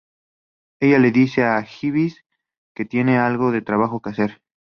Ella le dice a Gibbs que tienen algo de trabajo que hacer.